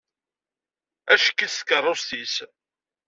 Acekk-itt tkerrust-is.